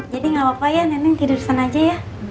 jadi gapapa ya neneng tidur di sana aja ya